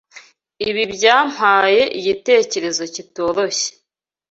Ibi byampaye igitekerezo kitoroshye.